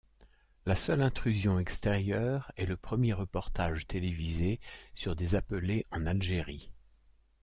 La seule intrusion extérieure est le premier reportage télévisé sur des appelés en Algérie.